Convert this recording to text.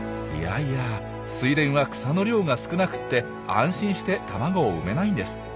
いやいや水田は草の量が少なくて安心して卵を産めないんです。